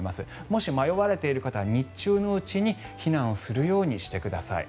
もし、迷われている方は日中のうちに避難をするようにしてください。